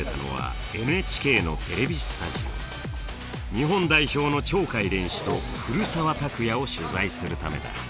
日本代表の鳥海連志と古澤拓也を取材するためだ。